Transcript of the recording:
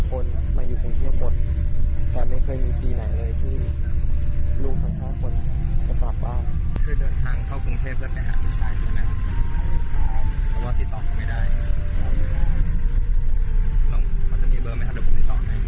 เขาจะมีเบอร์ไหมครับเดี๋ยวผมติดต่อไหม